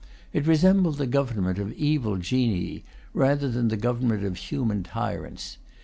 It resembled the government of evil Genii, rather than the government of human tyrants.